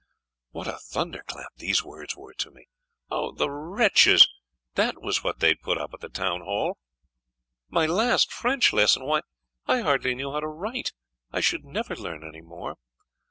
What a thunder clap these words were to me! Oh, the wretches; that was what they had put up at the town hall! My last French lesson! Why, I hardly knew how to write! I should never learn any more!